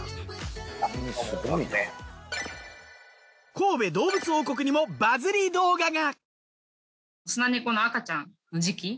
神戸どうぶつ王国にもバズり動画が。